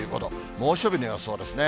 猛暑日の予想ですね。